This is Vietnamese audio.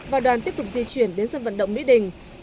và đoàn tiếp tục di chuyển đến sân vận động mỹ đình